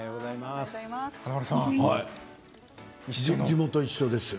地元一緒ですよ。